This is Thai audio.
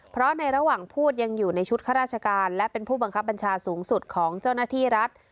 เพราะในระหว่างพูดยังอยู่ในชุดข้าราชการและเป็นผู้บังคับบัญชาสูงสุดของเจ้าหน้าที่รัฐ